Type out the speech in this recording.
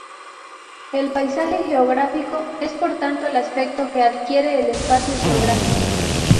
El paisaje geográfico es por tanto el aspecto que adquiere el espacio geográfico.